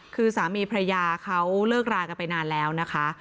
คือสามีพระยาเขาเลิกรากันไปนานแล้วนะคะ